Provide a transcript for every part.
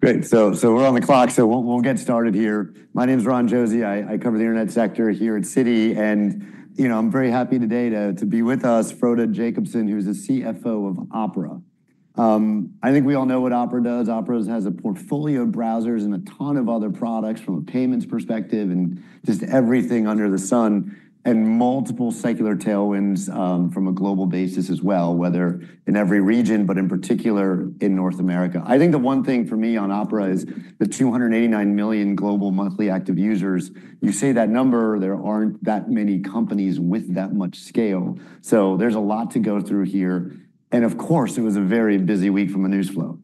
Great. We're on the clock, so we'll get started here. My name is Ron Josey. I cover the internet sector here at Citi. I'm very happy today to be with us, Frode Jacobsen, who's the CFO of Opera. I think we all know what Opera does. Opera has a portfolio of browsers and a ton of other products from a payments perspective and just everything under the sun and multiple secular tailwinds from a global basis as well, whether in every region, but in particular in North America. I think the one thing for me on Opera is the 289 million global monthly active users. You say that number, there aren't that many companies with that much scale. There's a lot to go through here. It was a very busy week from a news flow.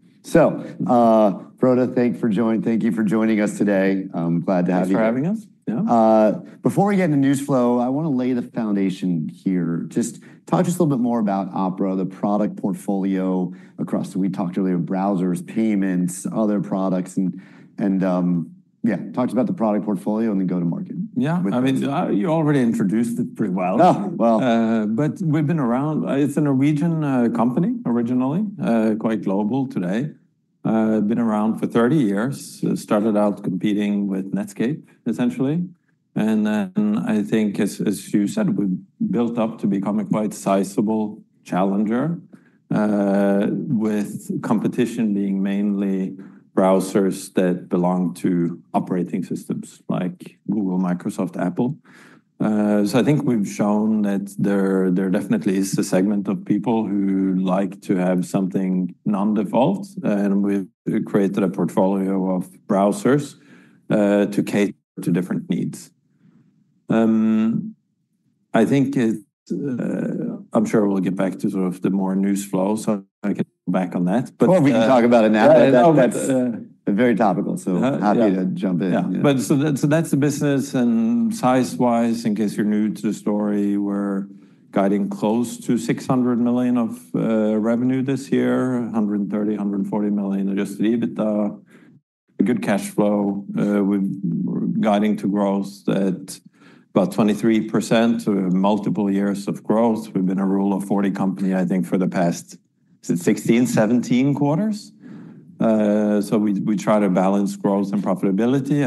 Frode, thank you for joining us today. I'm glad to have you. Thanks for having us. Yeah. Before we get into news flow, I want to lay the foundation here. Just talk to us a little bit more about Opera, the product portfolio across. We talked earlier about browsers, payments, other products. Talk to us about the product portfolio and the go-to-market. Yeah, I mean, you already introduced it pretty well. Oh, well. We've been around. It's a Norwegian company originally, quite global today. It's been around for 30 years. It started out competing with Netscape, essentially. I think, as you said, we built up to become a quite sizable challenger, with competition being mainly browsers that belong to operating systems like Google, Microsoft, Apple. I think we've shown that there definitely is a segment of people who like to have something non-default. We've created a portfolio of browsers to cater to different needs. I'm sure we'll get back to sort of the more news flow. I can go back on that. We can talk about it now. That's very topical. Happy to jump in. That's the business. Size-wise, in case you're new to the story, we're guiding close to $600 million of revenue this year, $130 million, $140 million just to leave it a good cash flow. We're guiding to growth at about 23% through multiple years of growth. We've been a rule of 40 company, I think, for the past 16, 17 quarters. We try to balance growth and profitability.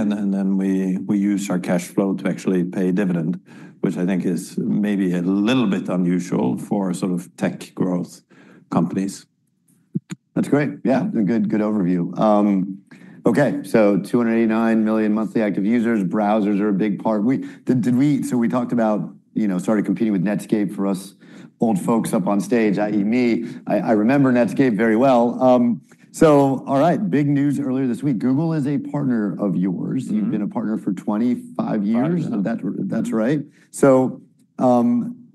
We use our cash flow to actually pay dividends, which I think is maybe a little bit unusual for sort of tech growth companies. That's great. Yeah, it's a good overview. OK, so 289 million monthly active users. Browsers are a big part. We talked about starting competing with Netscape. For us old folks up on stage, i.e. me, I remember Netscape very well. All right, big news earlier this week. Google is a partner of yours. You've been a partner for 25 years. Yeah. That's right.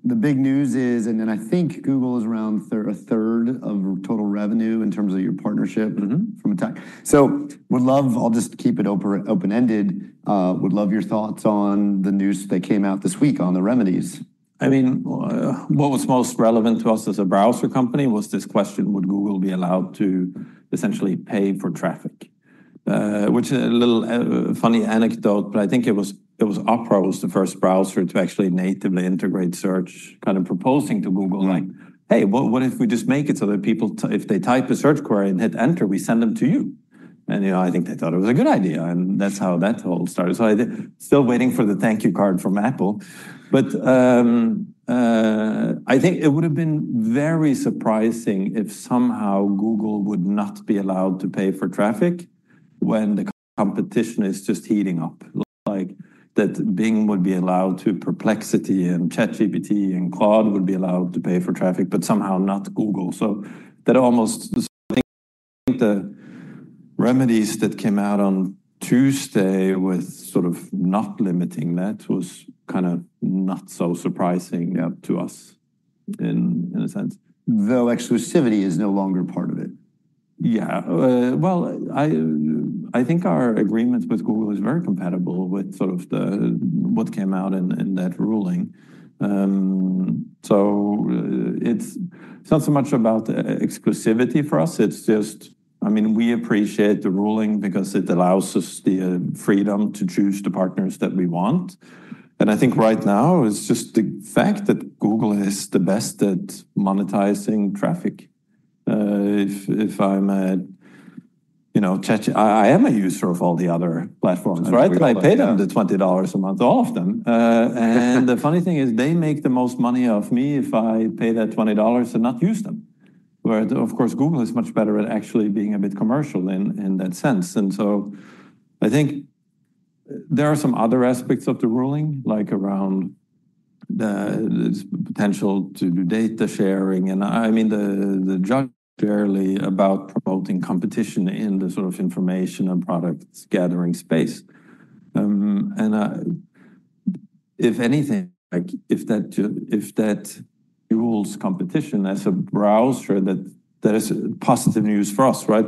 The big news is, and then I think Google is around 1/3 of total revenue in terms of your partnership from a tech. I'll just keep it open-ended. Would love your thoughts on the news that came out this week on the remedies. I mean, what was most relevant to us as a browser company was this question: would Google be allowed to essentially pay for traffic, which is a little funny anecdote. I think it was Opera was the first browser to actually natively integrate search, kind of proposing to Google, like, hey, what if we just make it so that people, if they type a search query and hit Enter, we send them to you? I think they thought it was a good idea, and that's how that all started. I'm still waiting for the thank you card from Apple. It would have been very surprising if somehow Google would not be allowed to pay for traffic when the competition is just heating up, like that Bing would be allowed to, Perplexity and ChatGPT and Claude would be allowed to pay for traffic, but somehow not Google. I think the remedies that came out on Tuesday with sort of not limiting that was kind of not so surprising to us in a sense. Though exclusivity is no longer part of it. Yeah, well, I think our agreements with Google are very compatible with sort of what came out in that ruling. It's not so much about exclusivity for us. I mean, we appreciate the ruling because it allows us the freedom to choose the partners that we want. I think right now it's just the fact that Google is the best at monetizing traffic. I am a user of all the other platforms, right? Yeah. I pay them the $20 a month, all of them. The funny thing is they make the most money off me if I pay that $20 and not use them, whereas, of course, Google is much better at actually being a bit commercial in that sense. I think there are some other aspects of the ruling, like around the potential to do data sharing. The judge is clearly about promoting competition in the sort of information and product gathering space. If anything, if that rules competition as a browser, that is positive news for us, right?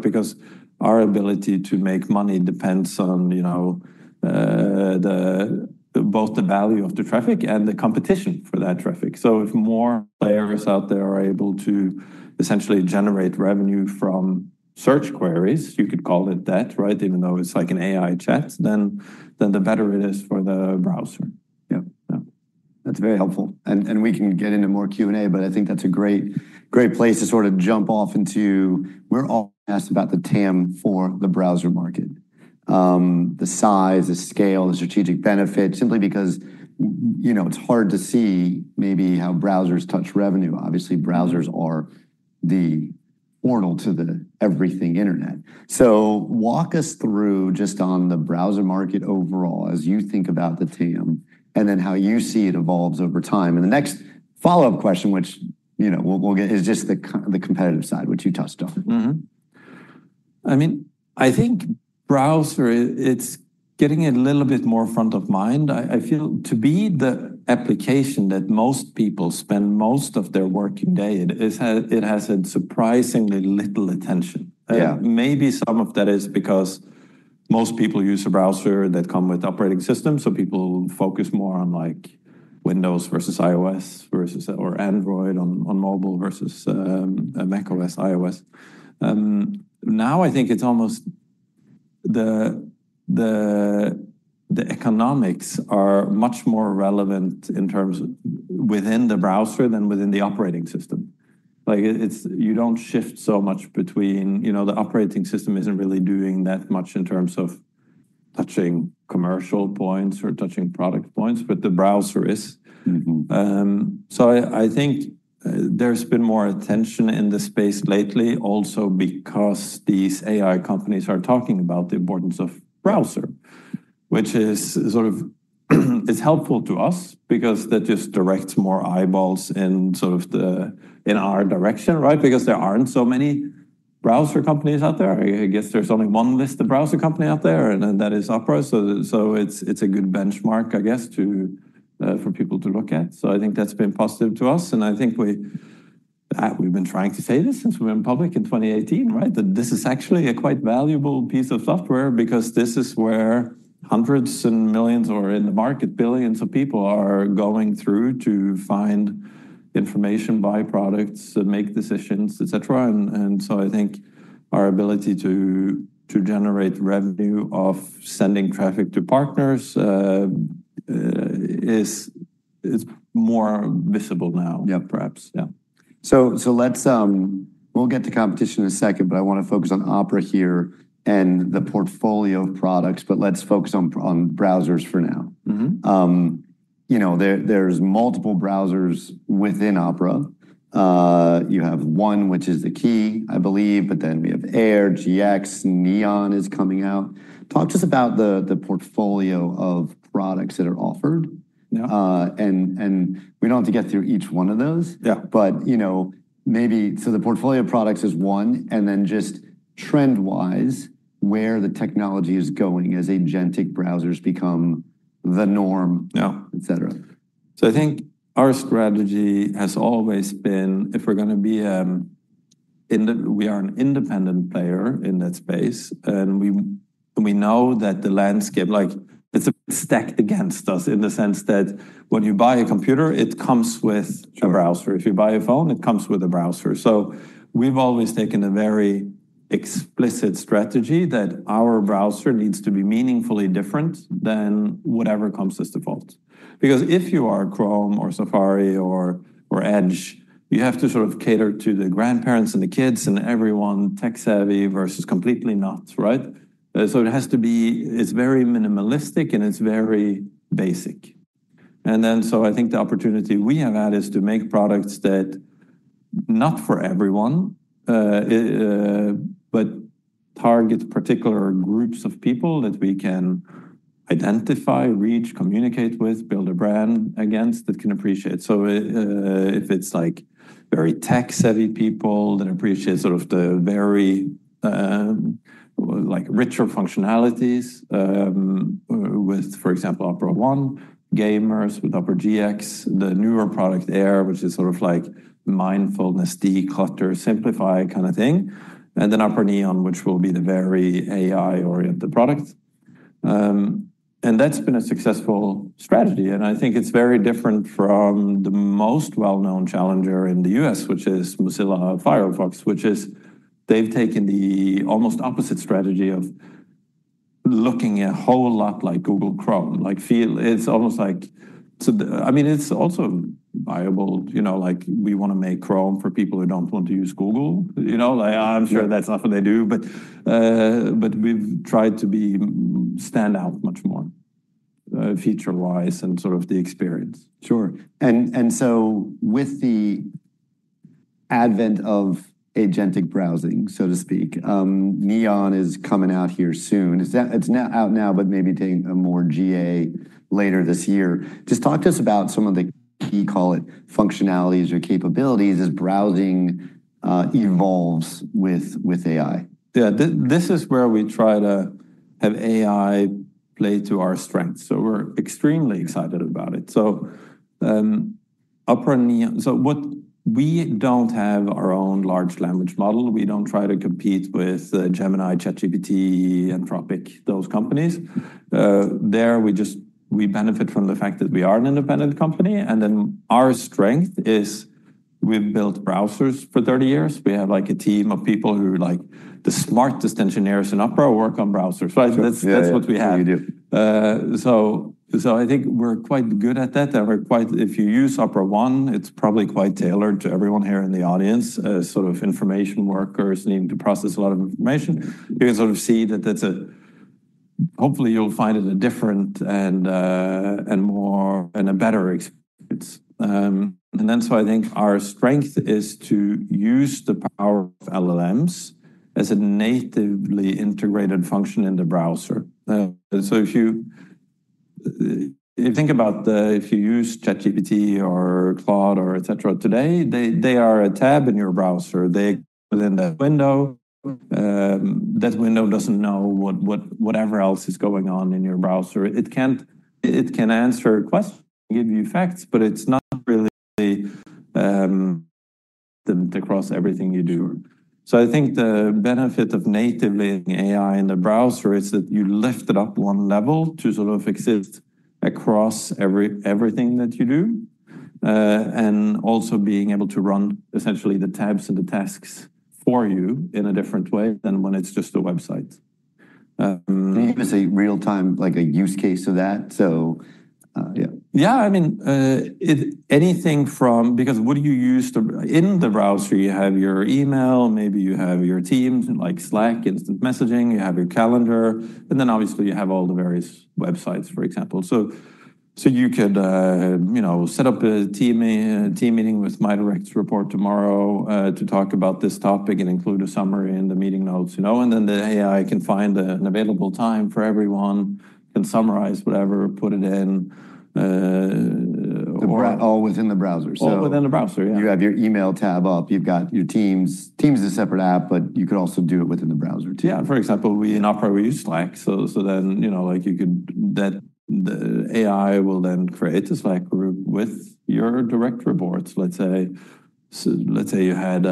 Our ability to make money depends on both the value of the traffic and the competition for that traffic. If more players out there are able to essentially generate revenue from search queries, you could call it that, right? Even though it's like an AI chat, then the better it is for the browser. Yeah, that's very helpful. We can get into more Q&A. I think that's a great place to sort of jump off into. We're always asked about the TAM for the browser market, the size, the scale, the strategic benefit, simply because it's hard to see maybe how browsers touch revenue. Obviously, browsers are the portal to the everything internet. Walk us through just on the browser market overall as you think about the TAM and then how you see it evolves over time. The next follow-up question, which we'll get, is just the competitive side, which you touched on. I think browser, it's getting a little bit more front of mind. I feel to be the application that most people spend most of their working day, it has had surprisingly little attention. Yeah. Maybe some of that is because most people use a browser that comes with operating systems. People focus more on Windows versus iOS or Android on mobile versus macOS, iOS. Now I think it's almost the economics are much more relevant within the browser than within the operating system. You don't shift so much between, you know, the operating system isn't really doing that much in terms of touching commercial points or touching product points, but the browser is. I think there's been more attention in this space lately also because these AI companies are talking about the importance of browser, which is sort of helpful to us because that just directs more eyeballs in sort of our direction, right? There aren't so many browser companies out there. I guess there's only one list of browser companies out there, and that is Opera. It's a good benchmark, I guess, for people to look at. I think that's been positive to us. I think we've been trying to say this since we went public in 2018, right, that this is actually a quite valuable piece of software because this is where hundreds and millions or in the market billions of people are going through to find information, buy products, make decisions, etc. I think our ability to generate revenue off sending traffic to partners is more visible now, perhaps. Yeah. We'll get to competition in a second. I want to focus on Opera here and the portfolio of products. Let's focus on browsers for now. There's multiple browsers within Opera. You have One, which is the key, I believe. Then we have Air, GX, Neon is coming out. Talk to us about the portfolio of products that are offered. Yeah. And we don't have to get through each one of those. Yeah. The portfolio of products is one. Trend-wise, where the technology is going as agentic browsers become the norm, etc. I think our strategy has always been, if we're going to be, we are an independent player in that space. We know that the landscape, like, it's stacked against us in the sense that when you buy a computer, it comes with a browser. If you buy a phone, it comes with a browser. We have always taken a very explicit strategy that our browser needs to be meaningfully different than whatever comes as default. If you are Chrome or Safari or Edge, you have to sort of cater to the grandparents and the kids and everyone, tech-savvy versus completely not, right? It has to be, it's very minimalistic and it's very basic. I think the opportunity we have had is to make products that are not for everyone, but target particular groups of people that we can identify, reach, communicate with, build a brand against that can appreciate. If it's like very tech-savvy people that appreciate sort of the very richer functionalities with, for example, Opera One, gamers with Opera GX, the newer product Opera Air, which is sort of like mindfulness, declutter, simplify kind of thing, and then Opera Neon, which will be the very AI-centric product. That's been a successful strategy. I think it's very different from the most well-known challenger in the U.S., which is Mozilla Firefox, which is they've taken the almost opposite strategy of looking a whole lot like Google Chrome. It's almost like, I mean, it's also viable. Like, we want to make Chrome for people who don't want to use Google. I'm sure that's not what they do. We have tried to stand out much more feature-wise and sort of the experience. Sure. With the advent of agentic browsing, so to speak, Neon is coming out here soon. It's out now, but maybe taking a more GA later this year. Just talk to us about some of the, you call it, functionalities or capabilities as browsing evolves with AI. Yeah. This is where we try to have AI play to our strengths. We're extremely excited about it. Opera Neon, we don't have our own large language model. We don't try to compete with Gemini, ChatGPT, Anthropic, those companies. We just benefit from the fact that we are an independent company. Our strength is we built browsers for 30 years. We have a team of people who are the smartest engineers in Opera work on browsers. That's what we have. That's really good. I think we're quite good at that. If you use Opera One, it's probably quite tailored to everyone here in the audience, sort of information workers needing to process a lot of information. You can sort of see that that's a, hopefully, you'll find it a different and more and a better experience. I think our strength is to use the power of LLMs as a natively integrated function in the browser. If you think about the, if you use ChatGPT or Claude or etc. today, they are a tab in your browser. They're in the window. That window doesn't know whatever else is going on in your browser. It can answer questions, give you facts. It's not really across everything you do. I think the benefit of natively having AI in the browser is that you lift it up one level to sort of exist across everything that you do and also being able to run essentially the tabs and the tasks for you in a different way than when it's just a website. Name is a real-time use case of that. Yeah. Yeah. I mean, anything from, because what do you use in the browser? You have your email. Maybe you have your Teams and Slack instant messaging. You have your calendar. Obviously, you have all the various websites, for example. You could set up a team meeting with my direct report tomorrow to talk about this topic and include a summary in the meeting notes. The AI can find an available time for everyone and summarize whatever, put it in. All within the browser? Within the browser, yeah. You have your email tab up. You've got your Teams. Teams is a separate app, but you could also do it within the browser too. Yeah. For example, we in Opera, we use Slack. The AI will then create a Slack group with your direct reports. Let's say you had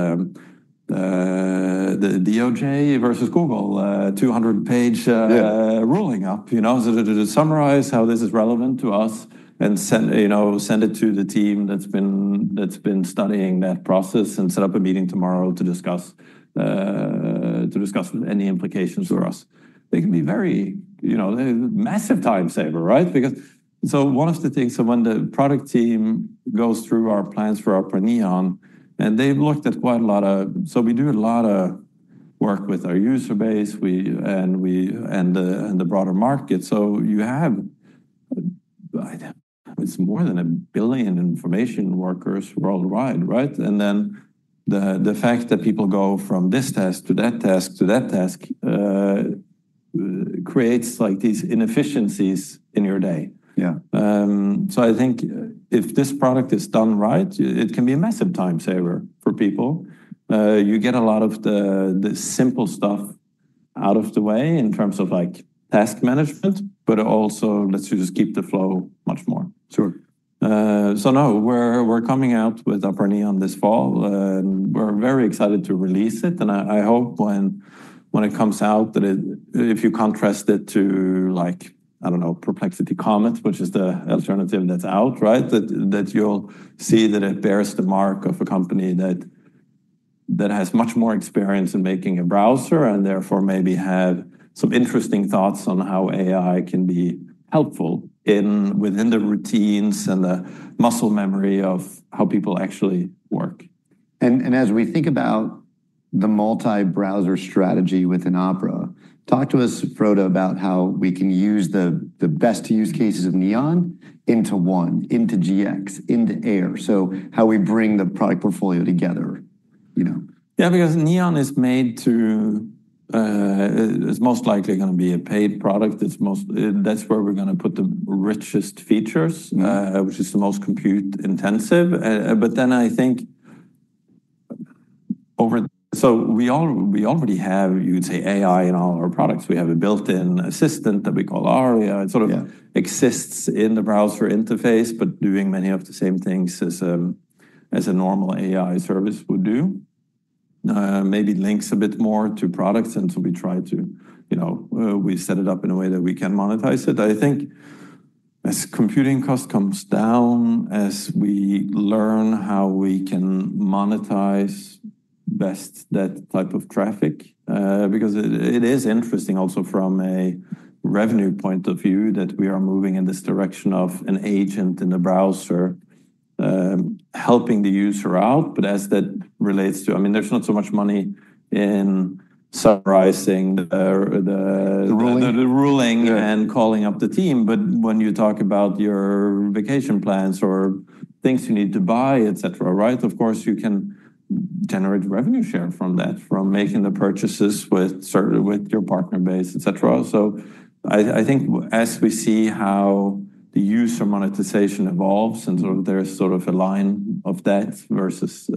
the DOJ versus Google 200-page ruling up. Summarize how this is relevant to us and send it to the team that's been studying that process and set up a meeting tomorrow to discuss any implications for us. They can be a very massive time saver, right? One of the things, when the product team goes through our plans for Opera Neon, they've looked at quite a lot of, we do a lot of work with our user base and the broader market. You have, it's more than a billion information workers worldwide, right? The fact that people go from this task to that task to that task creates these inefficiencies in your day. Yeah. I think if this product is done right, it can be a massive time saver for people. You get a lot of the simple stuff out of the way in terms of task management. It also lets you just keep the flow much more. Sure. We're coming out with Opera Neon this fall. We're very excited to release it. I hope when it comes out, that if you contrast it to, like, I don't know, Perplexity Comet, which is the alternative that's out right now, you'll see that it bears the mark of a company that has much more experience in making a browser and therefore maybe have some interesting thoughts on how AI can be helpful within the routines and the muscle memory of how people actually work. As we think about the multi-browser strategy within Opera, talk to us, Frode, about how we can use the best use cases of Neon into One, into GX, into Air, and how we bring the product portfolio together. Yeah, because Neon is made to, it's most likely going to be a paid product. That's where we're going to put the richest features, which is the most compute intensive. I think over, so we already have, you would say, AI in all our products. We have a built-in assistant that we call Aria. It sort of exists in the browser interface, but doing many of the same things as a normal AI service would do. Maybe links a bit more to products. We try to, you know, we set it up in a way that we can monetize it. I think as computing costs come down, as we learn how we can monetize best that type of traffic, because it is interesting also from a revenue point of view that we are moving in this direction of an agent in the browser helping the user out. As that relates to, I mean, there's not so much money in summarizing the ruling and calling up the team. When you talk about your vacation plans or things you need to buy, etc., right, of course, you can generate revenue share from that, from making the purchases with your partner base, etc. I think as we see how the user monetization evolves and sort of there's sort of a line of that versus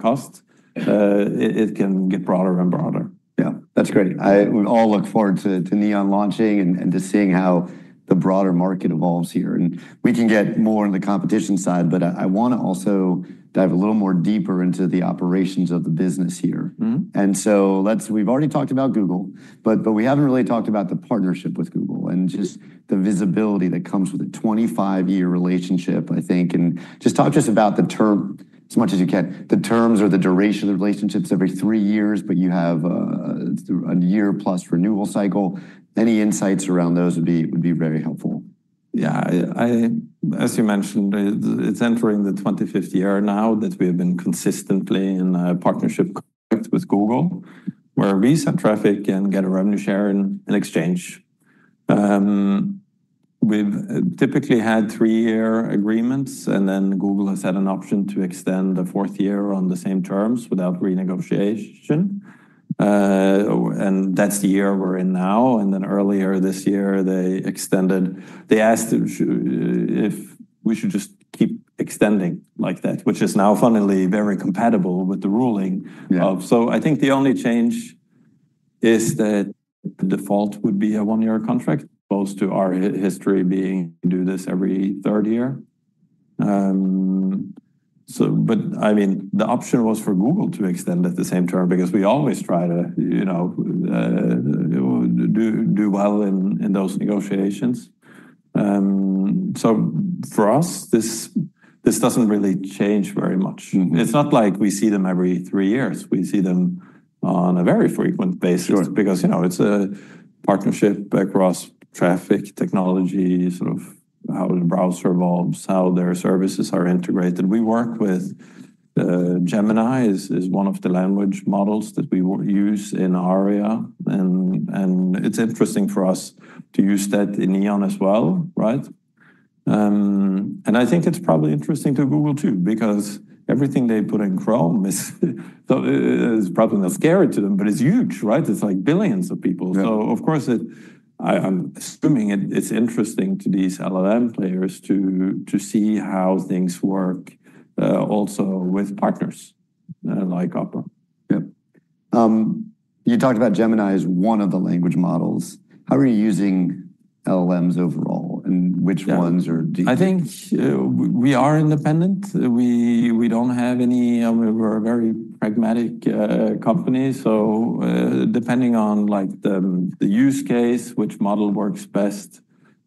cost, it can get broader and broader. Yeah, that's great. We all look forward to Neon launching and to seeing how the broader market evolves here. We can get more on the competition side. I want to also dive a little more deeper into the operations of the business here. We've already talked about Google, but we haven't really talked about the partnership with Google and just the visibility that comes with a 25-year relationship, I think. Just talk to us about the term, as much as you can, the terms or the duration of the relationships every three years, but you have 1+ year renewal cycle. Any insights around those would be very helpful. Yeah. As you mentioned, it's entering the 25th year now that we have been consistently in a partnership with Google, where we sell traffic and get a revenue share in exchange. We've typically had three-year agreements. Google has had an option to extend the fourth year on the same terms without renegotiation. That's the year we're in now. Earlier this year, they asked if we should just keep extending like that, which is now finally very compatible with the ruling. I think the only change is that the default would be a one-year contract, as opposed to our history being to do this every third year. The option was for Google to extend at the same term because we always try to do well in those negotiations. For us, this doesn't really change very much. It's not like we see them every three years. We see them on a very frequent basis because it's a partnership across traffic, technology, sort of how the browser evolves, how their services are integrated. We work with Gemini, which is one of the language models that we use in Aria. It's interesting for us to use that in Neon as well, right? I think it's probably interesting to Google too because everything they put in Chrome is probably not scary to them. It's huge, right? It's like billions of people. Of course, I'm assuming it's interesting to these LLM players to see how things work also with partners like Opera. You talked about Gemini as one of the language models. How are you using LLMs overall? Which ones? I think we are independent. We don't have any, we're a very pragmatic company. Depending on the use case, which model works best,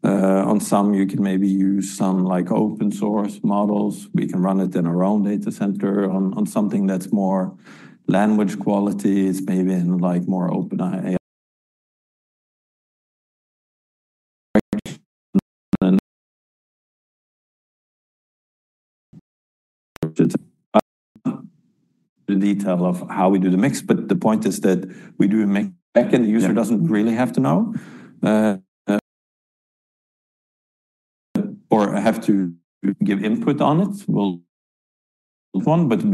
on some, you can maybe use some open source models. We can run it in our own data center on something that's more language quality. It's maybe in more open. The detail of how we do the mix, the point is that we do a mix, and the user doesn't really have to know or have to give input on it. We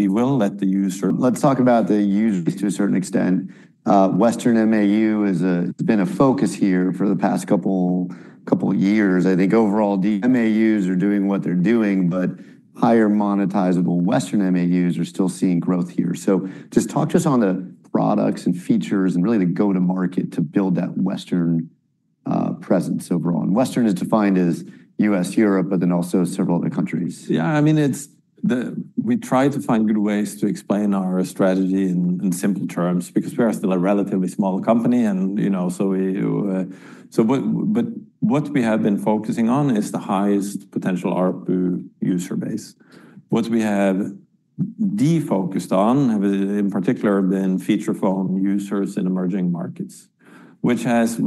will let the user. Let's talk about the user. To a certain extent, Western MAU has been a focus here for the past couple of years. I think overall, the MAUs are doing what they're doing. Higher monetizable Western MAUs are still seeing growth here. Just talk to us on the products and features and really the go-to-market to build that Western presence overall. Western is defined as U.S., Europe, but then also several other countries. Yeah. I mean, we try to find good ways to explain our strategy in simple terms because we are still a relatively small company. What we have been focusing on is the highest potential user base. What we have de-focused on, in particular, have been feature phone users in emerging markets, which has,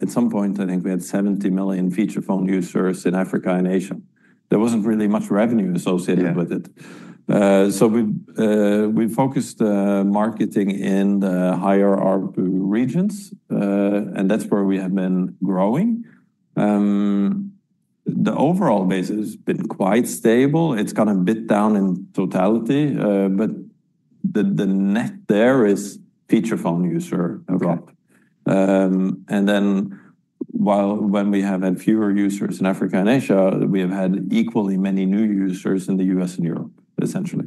at some point, I think we had 70 million feature phone users in Africa and Asia. There wasn't really much revenue associated with it. We focused marketing in the higher regions. That's where we have been growing. The overall base has been quite stable. It's gone a bit down in totality. The net there is feature phone user growth. When we have had fewer users in Africa and Asia, we have had equally many new users in the U.S. and Europe, essentially,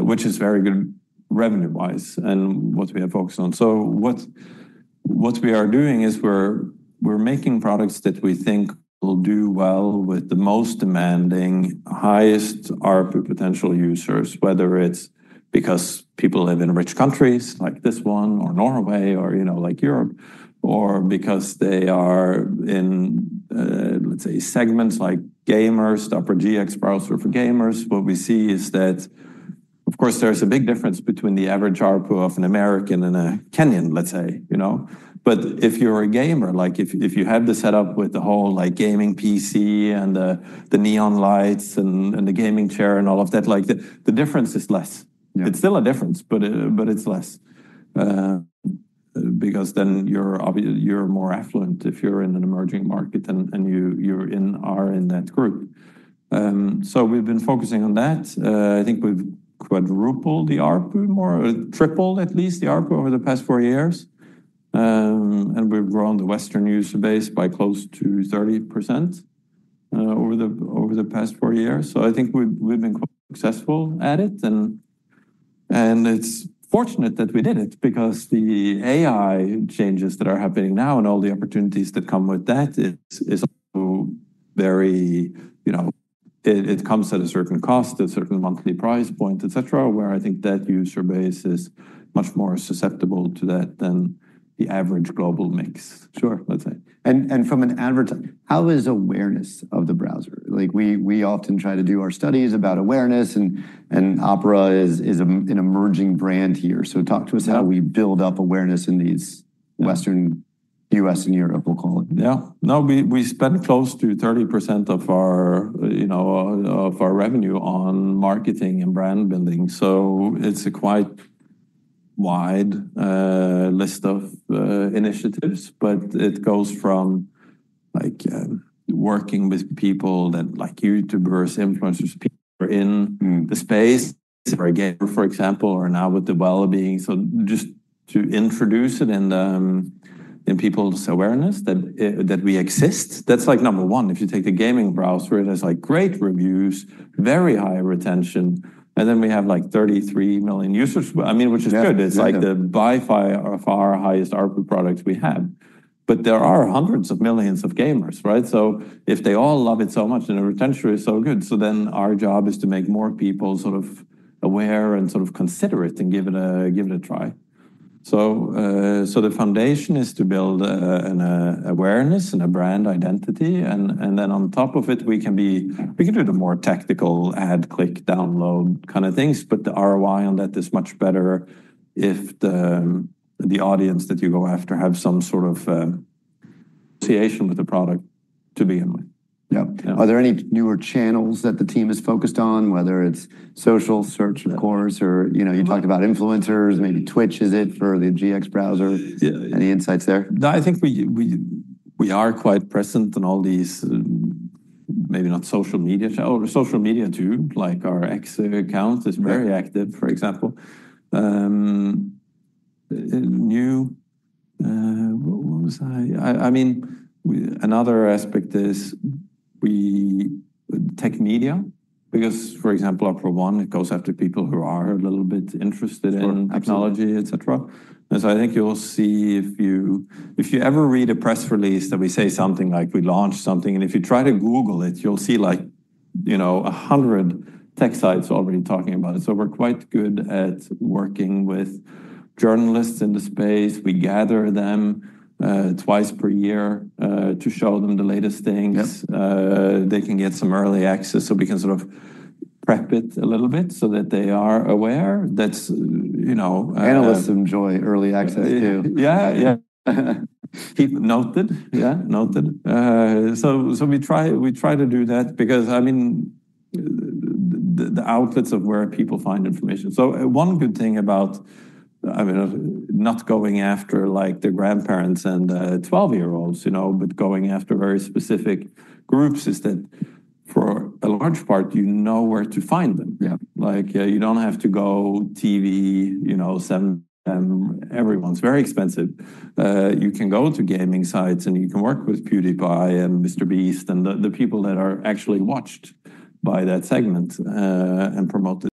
which is very good revenue-wise and what we have focused on. What we are doing is we're making products that we think will do well with the most demanding, highest ARPU potential users, whether it's because people live in rich countries like this one or Norway or like Europe or because they are in, let's say, segments like gamers, the Opera GX browser for gamers. What we see is that, of course, there's a big difference between the average ARPU of an American and a Kenyan, let's say. If you're a gamer, if you have the setup with the whole gaming PC and the neon lights and the gaming chair and all of that, the difference is less. It's still a difference, but it's less because then you're more affluent if you're in an emerging market and you are in that group. We've been focusing on that. I think we've quadrupled the ARPU, tripled at least the ARPU over the past four years. We've grown the Western user base by close to 30% over the past four years. I think we've been successful at it. It's fortunate that we did it because the AI changes that are happening now and all the opportunities that come with that is very, it comes at a certain cost, a certain monthly price point, etc., where I think that user base is much more susceptible to that than the average global mix, let's say. From an advertising, how is awareness of the browser? We often try to do our studies about awareness. Opera is an emerging brand here. Talk to us how we build up awareness in these Western U.S. and Europe, we'll call it. Yeah. No, we spend close to 30% of our revenue on marketing and brand building. It's a quite wide list of initiatives. It goes from working with people like YouTubers, influencers in the space, for example, or now with the well-being. Just to introduce it in people's awareness that we exist, that's like number one. If you take the gaming browser, it's like great reviews, very high retention, and then we have like 33 million users, which is good. It's by far the highest ARPU products we have. There are hundreds of millions of gamers, right? If they all love it so much and the retention rate is so good, our job is to make more people sort of aware and sort of consider it and give it a try. The foundation is to build an awareness and a brand identity. On top of it, we can do the more tactical ad, click, download kind of things. The ROI on that is much better if the audience that you go after has some sort of affiliation with the product to begin with. Yeah. Are there any newer channels that the team has focused on, whether it's social, search, of course? Or you talked about influencers. Maybe Twitch is it for the GX browser. Any insights there? I think we are quite present in all these, maybe not social media, or social media too. Like our X account is very active, for example. Another aspect is tech media. For example, Opera One goes after people who are a little bit interested in technology, etc. I think you'll see if you ever read a press release that we say something like we launched something. If you try to Google it, you'll see like 100 tech sites already talking about it. We're quite good at working with journalists in the space. We gather them twice per year to show them the latest things. They can get some early access. We can sort of prep it a little bit so that they are aware. Analysts enjoy early access too. Yeah, yeah. Keep it noted. Noted. We try to do that because, I mean, the outlets of where people find information. One good thing about not going after the grandparents and the 12-year-olds, but going after very specific groups, is that for a large part, you know where to find them. Yeah. You don't have to go to TV. Everyone's very expensive. You can go to gaming sites, and you can work with PewDiePie and MrBeast and the people that are actually watched by that segment and promoted.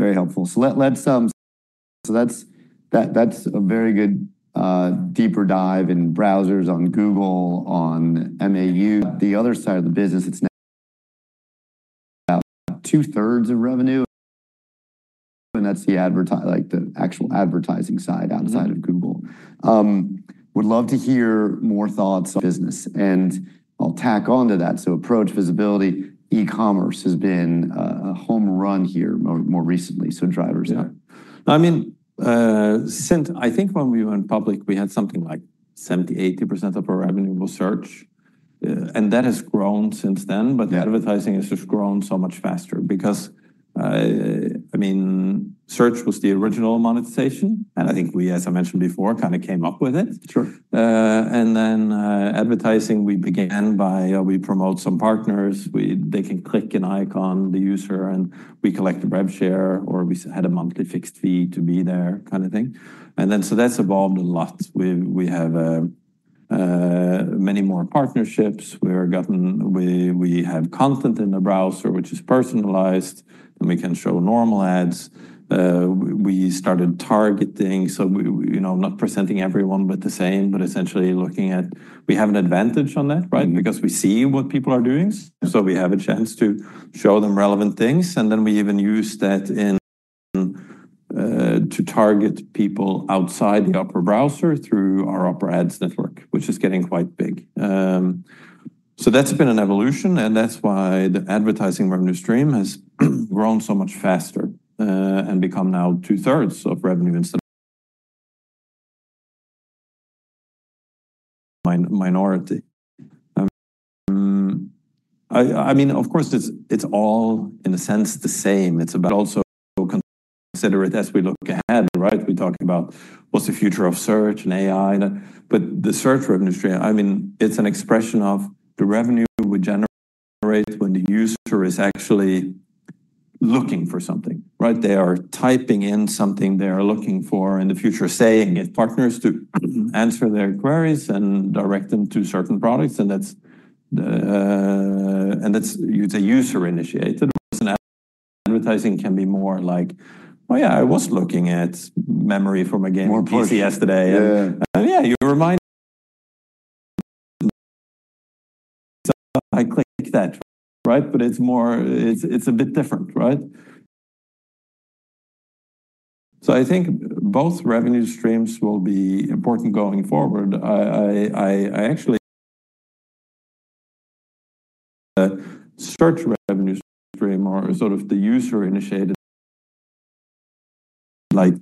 Very helpful. That's a very good deeper dive in browsers on Google, on MAU, the other side of the business. It's now about 2/3 of revenue. That's the actual advertising side outside of Google. Would love to hear more thoughts. Business. I'll tack on to that. Approach visibility, e-commerce has been a home run here more recently. Drivers. Yeah. I mean, I think when we went public, we had something like 70% or 80% of our revenue was search. That has grown since then, but advertising has just grown so much faster because, I mean, search was the original monetization. I think we, as I mentioned before, kind of came up with it. Sure. And then, advertising, we began by we promote some partners. They can click an icon, the user, and we collect a web share or we had a monthly fixed fee to be there, kind of thing. That's evolved a lot. We have many more partnerships. We have content in the browser, which is personalized, and we can show normal ads. We started targeting, so not presenting everyone with the same, but essentially looking at we have an advantage on that, right, because we see what people are doing. We have a chance to show them relevant things. We even use that to target people outside the Opera browser through our Opera Ads Network, which is getting quite big. That's been an evolution. That's why the advertising revenue stream has grown so much faster and become now 2/3 of revenue instead of a minority. I mean, of course, it's all, in a sense, the same. It's about also consider it as we look ahead, right? We talk about what's the future of search and AI. The search industry, I mean, it's an expression of the revenue we generate when the user is actually looking for something, right? They are typing in something they are looking for. The future is saying if partners do answer their queries and direct them to certain products. That's user-initiated. Advertising can be more like, oh, yeah, I was looking at memory from a game yesterday. More playful. Yeah, you remind me. I clicked that, right? It's a bit different, right? I think both revenue streams will be important going forward. Actually, search revenue stream or sort of the user-initiated, like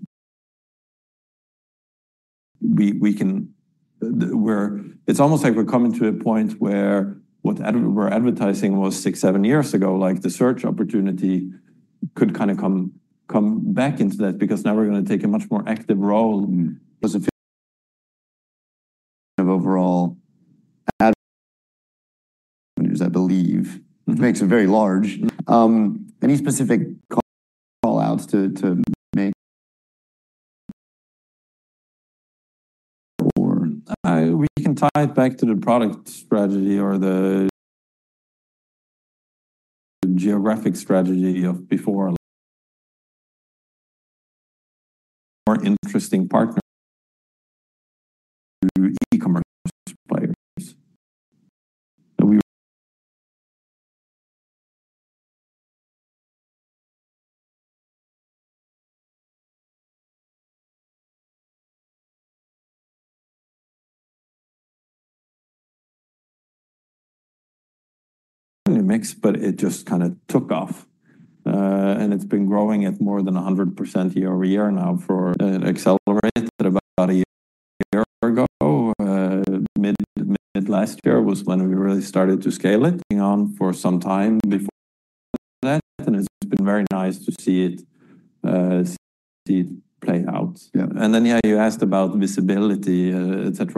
we can, where it's almost like we're coming to a point where what we're advertising was six, seven years ago, like the search opportunity could kind of come back into that because now we're going to take a much more active role because overall, I believe, it makes it very large. Any specific callouts to make? We can tie it back to the product strategy or the geographic strategy of before. More interesting partner through e-commerce buyers. It makes. It just kind of took off, and it's been growing at more than 100% year-over-year now for an accelerated about a year ago. Mid last year was when we really started to scale it. On for some time before that, and it's been very nice to see it play out. Yeah. You asked about visibility, etc.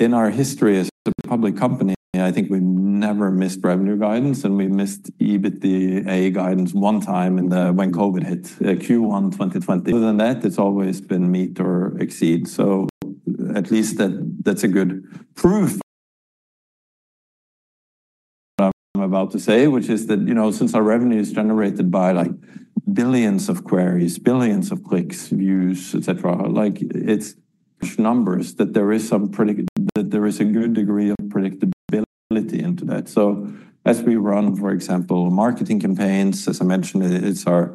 In our history as a public company, I think we've never missed revenue guidance. We missed EBITDA guidance one time when COVID hit, Q1 2020. Other than that, it's always been meet or exceed. At least that's a good proof of what I'm about to say, which is that since our revenue is generated by billions of queries, billions of clicks, views, etc., it's numbers that there is a good degree of predictability into that. As we run, for example, marketing campaigns, as I mentioned, it's our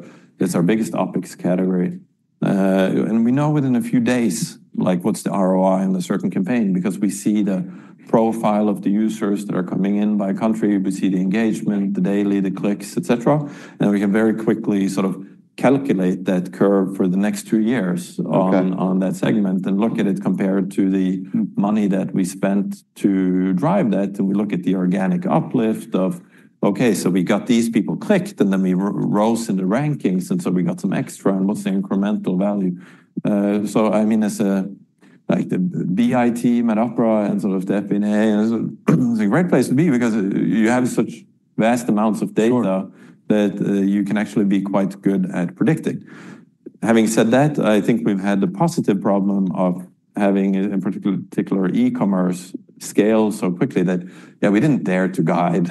biggest OpEx category. We know within a few days what's the ROI in a certain campaign because we see the profile of the users that are coming in by country. We see the engagement, the daily, the clicks, etc. We can very quickly sort of calculate that curve for the next two years on that segment and look at it compared to the money that we spent to drive that. We look at the organic uplift of, OK, we got these people clicked. Then we rose in the rankings, and we got some extra. What's the incremental value? As a BI team at Opera and sort of the FNA, it's a great place to be because you have such vast amounts of data that you can actually be quite good at predicting. Having said that, I think we've had the positive problem of having a particular e-commerce scale so quickly that we didn't dare to guide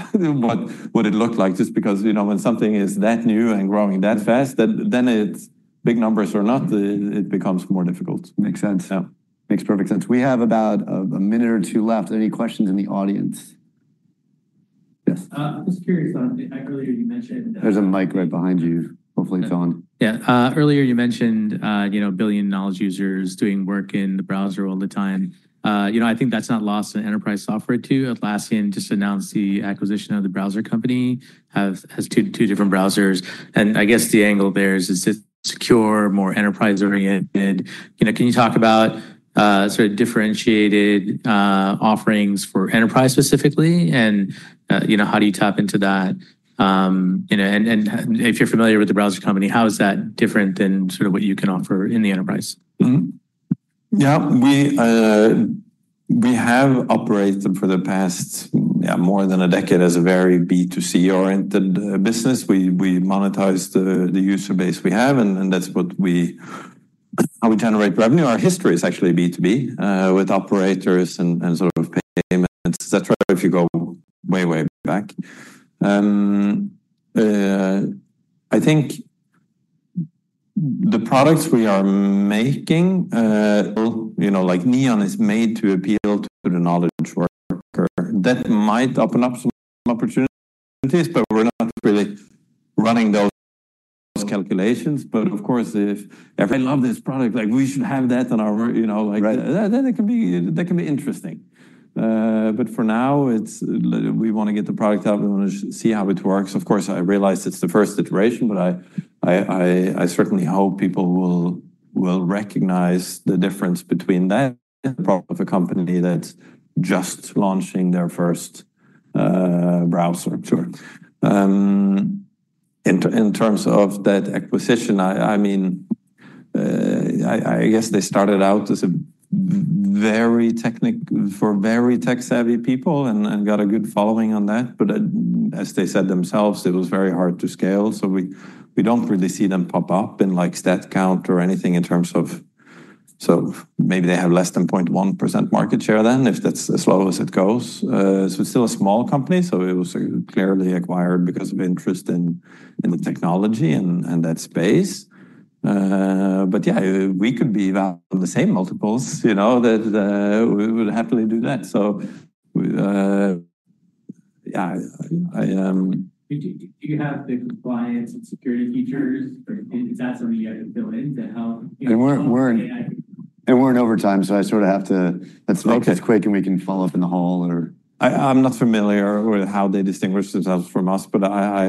what it looked like just because when something is that new and growing that fast, then it's big numbers or not, it becomes more difficult. Makes sense. Yeah. Makes perfect sense. We have about a minute or two left. Any questions in the audience? Yes? I was curious. There's a mic right behind you. Hopefully, it's on. Yeah. Earlier, you mentioned a billion knowledge users doing work in the browser all the time. I think that's not lost in enterprise software too. Atlassian just announced the acquisition of The Browser Company, has two different browsers. I guess the angle there is just secure, more enterprise oriented. Can you talk about sort of differentiated offerings for enterprise specifically? How do you tap into that? If you're familiar with The Browser Company, how is that different than sort of what you can offer in the enterprise? Yeah. We have operated for the past, yeah, more than a decade as a very B2C-oriented business. We monetize the user base we have, and that's how we generate revenue. Our history is actually B2B with operators and sort of payments, etc., if you go way, way back. I think the products we are making, like Opera Neon, is made to appeal to the knowledge worker. That might open up some opportunities. We're not really running those calculations. Of course, if everyone loves this product, like we should have that on our, you know, like that can be interesting. For now, we want to get the product out. We want to see how it works. Of course, I realize it's the first iteration. I certainly hope people will recognize the difference between that and the part of a company that's just launching their first browser. Sure. In terms of that acquisition, I mean, I guess they started out as very tech savvy people and got a good following on that. As they said themselves, it was very hard to scale. We don't really see them pop up in stat count or anything in terms of, so maybe they have less than 0.1% market share if that's as low as it goes. It's still a small company. It was clearly acquired because of interest in the technology and that space. We could be about the same multiples. We would happily do that. Do you have the compliance and security features? Is that something you guys are doing? We're in overtime. I sort of have to, that's OK, it's quick. We can follow up in the hall or. I'm not familiar with how they distinguish themselves from us. I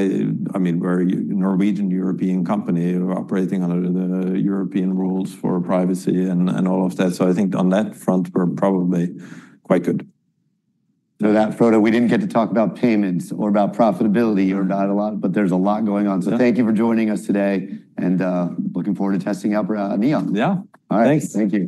mean, we're a Norwegian European company operating under the European rules for privacy and all of that. I think on that front, we're probably quite good. Frode, we didn't get to talk about payments or about profitability or about a lot. There's a lot going on. Thank you for joining us today. Looking forward to testing Opera Neon. Yeah. All right. Thanks. Thank you.